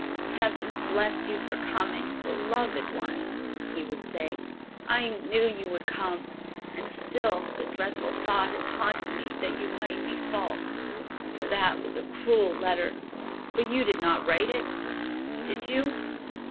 "Heaven bless you for coming, beloved one," he would say, "I knew you would come, and still the dreadful thought has haunted me, that you might be false, for that was a cruel letter; but you did not write it, did you?"